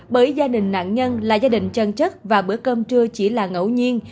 bởi gia đình nạn nhân là gia đình chân chất và bữa cơm trưa chỉ là ngẫu nhiên